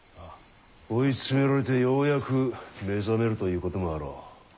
追い詰められてようやく目覚めるということもあろう。